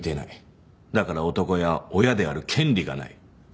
だから男親は親である権利がない。